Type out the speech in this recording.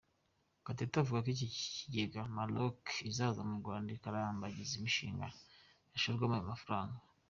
Gatete avuga ko iki kigega Maroc izaza mu Rwanda ikarambagiza imishinga yashorwamo ayo mafaranga.